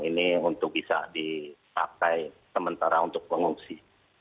ini untuk bisa dipakai sementara untuk pengungsi